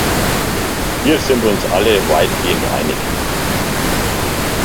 Wir sind uns alle weitgehend einig.